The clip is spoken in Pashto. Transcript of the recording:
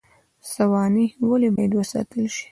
سوانح ولې باید وساتل شي؟